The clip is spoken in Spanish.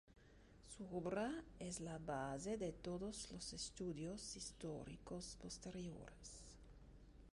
Su obra es la base de todos los estudios históricos posteriores.